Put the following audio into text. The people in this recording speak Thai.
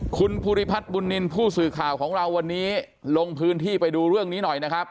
คุณภูริพัฒน์บุญนินทร์ผู้สื่อข่าวของเราวันนี้ลงพื้นที่ไปดูเรื่องนี้หน่อยนะครับ